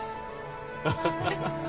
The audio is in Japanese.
ハハハハ。